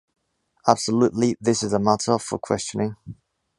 Absolutely! This is a matter for questioning.